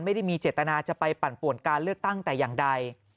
ไม่ได้มีเจตนาจะไปปั่นป่วนการเลือกตั้งแต่อย่างใด